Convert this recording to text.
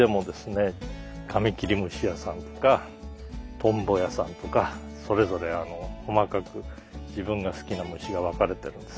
カミキリムシ屋さんとかトンボ屋さんとかそれぞれ細かく自分が好きな虫が分かれてるんです。